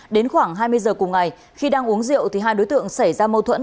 đến khoảng hai mươi giờ cùng ngày khi đang uống rượu thì hai đối tượng xảy ra mâu thuẫn